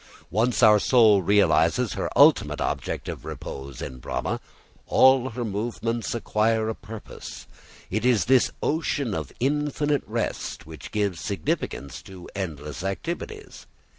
Once our soul realises her ultimate object of repose in Brahma, all her movements acquire a purpose. It is this ocean of infinite rest which gives significance to endless activities.